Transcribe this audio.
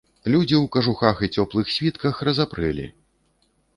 Людзі ў кажухах і цёплых світках разапрэлі.